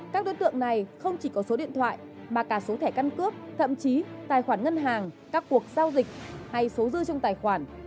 các đối tượng này không chỉ có số điện thoại mà cả số thẻ căn cước thậm chí tài khoản ngân hàng các cuộc giao dịch hay số dư trong tài khoản